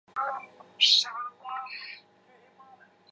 现任主任牧师为陈淳佳牧师。